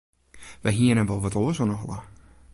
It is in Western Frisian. Wy hiene wol wat oars oan 'e holle.